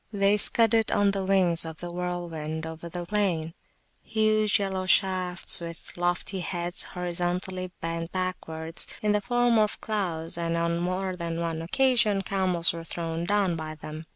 They scudded on the wings of the whirlwind over the plain, huge yellow shafts, with lofty heads, horizontally bent backwards, in the form of clouds; and on more than one occasion camels were thrown down by them.